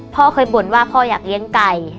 พ่อเคยบ่นว่าพ่ออยากเลี้ยงไก่